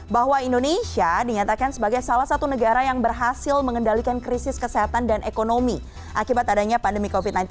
bahwa indonesia dinyatakan sebagai salah satu negara yang berhasil mengendalikan krisis kesehatan dan ekonomi akibat adanya pandemi covid sembilan belas